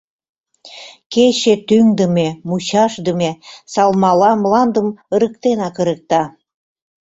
Кече тӱҥдымӧ-мучашдыме салмала мландым ырыктенак ырыкта.